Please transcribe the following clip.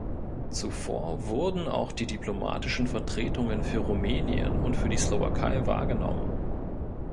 Zuvor wurden auch die diplomatischen Vertretungen für Rumänien und für die Slowakei wahrgenommen.